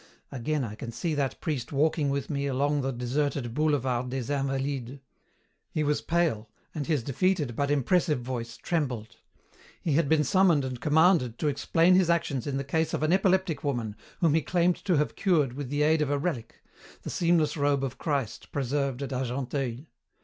Again I can see that priest walking with me along the deserted boulevard des Invalides. He was pale, and his defeated but impressive voice trembled. He had been summoned and commanded to explain his actions in the case of an epileptic woman whom he claimed to have cured with the aid of a relic, the seamless robe of Christ preserved at Argenteuil.